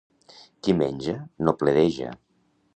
Qui menja no pledeja.